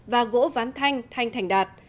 và gỗ ván thanh thanh thành đạt